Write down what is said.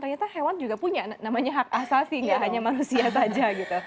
ternyata hewan juga punya namanya hak asasi nggak hanya manusia saja gitu